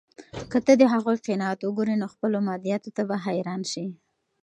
که ته د هغوی قناعت وګورې، نو خپلو مادیاتو ته به حیران شې.